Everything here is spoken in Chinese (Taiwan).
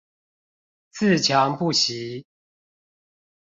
自強不息